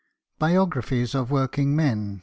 BIOGRAPHIES OF WORKING MEN. i.